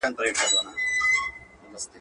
وختونه واوښتل اور ګډ سو د خانۍ په خونه.